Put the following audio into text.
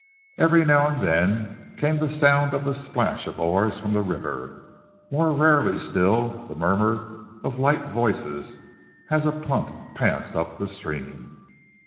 Every now and then came the sound of the splash of oars from the river; more rarely still, the murmur of light voices as a punt passed up the stream.